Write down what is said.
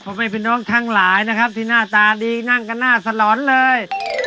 แม่พี่น้องทั้งหลายนะครับที่หน้าตาดีนั่งกันหน้าสลอนเลย